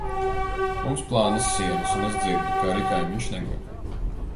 Mums plānas sienas un es dzirdu, ka arī kaimiņš neguļ.